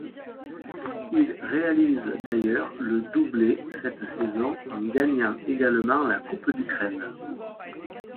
Il réalise d'ailleurs le doublé cette saison en gagnant également la Coupe d'Ukraine.